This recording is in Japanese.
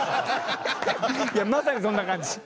いやまさにそんな感じ。